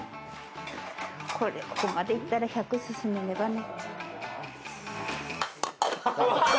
ここまでいったら１００進まねばね。